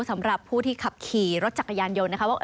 สำหรับผู้ที่ขับขี่รถจักรยานยนต์นะคะว่า